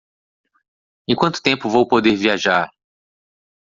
em quanto tempo vou poder viajar